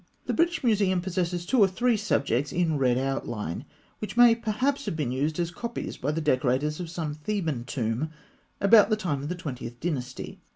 The British Museum possesses two or three subjects in red outline, which may perhaps have been used as copies by the decorators of some Theban tomb about the time of the Twentieth Dynasty.